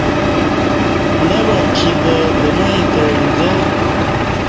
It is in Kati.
نہ وعچی با دمعی تہ عنزا